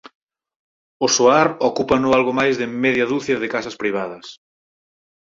O soar ocúpano algo máis de media ducia de casas privadas.